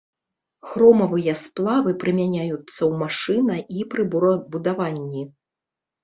Хромавыя сплавы прымяняюцца ў машына- і прыборабудаванні.